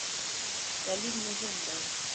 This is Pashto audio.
تعلیم مهم دی؟